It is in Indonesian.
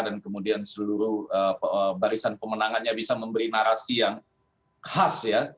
dan kemudian seluruh barisan pemenangannya bisa memberi narasi yang khas ya